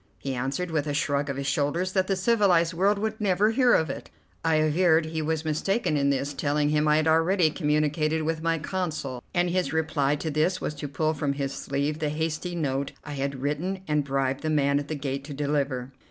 He answered, with a shrug of his shoulders, that the civilized world would never hear of it. I averred he was mistaken in this, telling him I had already communicated with my Consul, and his reply to this was to pull from his sleeve the hasty note I had written and bribed the man at the gate to deliver.